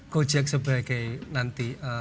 gojek sebagai nanti